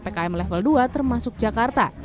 pemprov dki level dua termasuk jakarta